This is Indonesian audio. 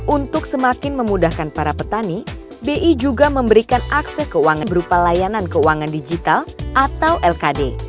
untuk semakin memudahkan para petani bi juga memberikan akses keuangan berupa layanan keuangan digital atau lkd